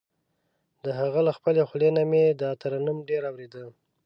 د هغه له خپلې خولې نه مې دا ترنم ډېر اورېده.